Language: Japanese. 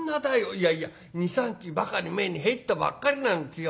いやいや２３日ばかり前に入ったばっかりなんですよ。